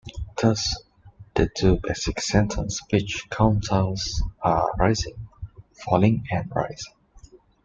Thus the two basic sentence pitch contours are rising-falling and rising.